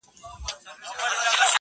لاسونه مي د خوږ زړه و پرهار ته ور وړم~